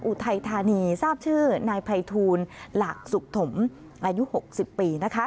อุทัยธานีทราบชื่อนายไผ่ทูลหลักสุขถมอายุหกสิบปีนะคะ